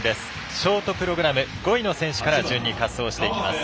ショートプログラム５位の選手から順に滑走をしていきます。